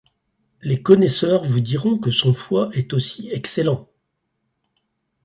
Les connaisseurs vous diront que son foie est aussi excellent.